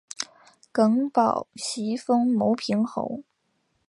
耿宝袭封牟平侯。